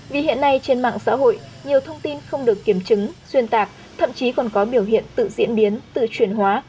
vì hiện nay trên mạng xã hội nhiều thông tin không được kiểm chứng xuyên tạc thậm chí còn có biểu hiện tự diễn biến tự chuyển hóa